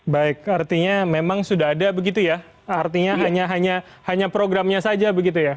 baik artinya memang sudah ada begitu ya artinya hanya programnya saja begitu ya